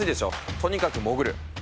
とにかく潜る。